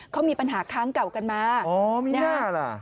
เขามีปัญหาค้างเก่ากันมานะครับนะครับอ๋อมีหน้าเหรอ